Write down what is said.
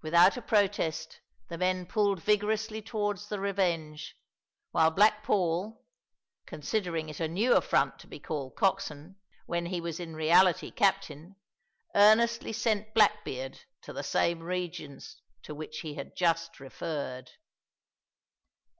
Without a protest the men pulled vigorously towards the Revenge, while Black Paul, considering it a new affront to be called "coxswain" when he was in reality captain, earnestly sent Blackbeard to the same regions to which he had just referred.